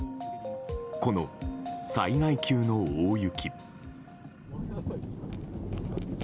この、災害級の大雪。